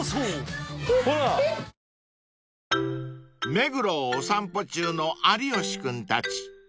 ［目黒をお散歩中の有吉君たち］